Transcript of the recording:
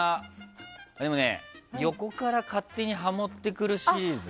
でも、横から勝手にハモってくるシリーズ。